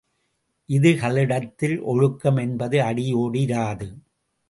இதுகளிடத்தில் ஒழுக்கம் என்பது அடியோடு இராது.